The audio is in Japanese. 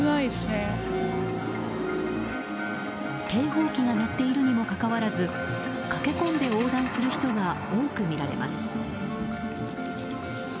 警報機が鳴っているにもかかわらず駆け込んで横断する人が多く見られます。